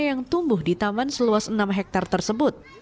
yang tumbuh di taman seluas enam hektare tersebut